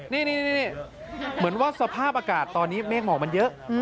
นี่เหมือนว่าสภาพอากาศตอนนี้เมฆหมอกมันเยอะ